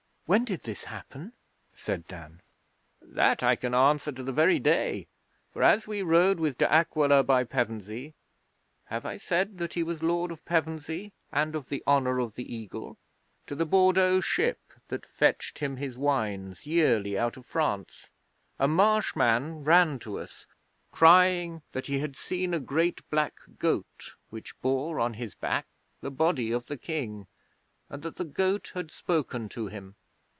'When did this happen?' said Dan. 'That I can answer to the very day, for as we rode with De Aquila by Pevensey have I said that he was Lord of Pevensey and of the Honour of the Eagle? to the Bordeaux ship that fetched him his wines yearly out of France, a Marsh man ran to us crying that he had seen a great black goat which bore on his back the body of the King, and that the goat had spoken to him.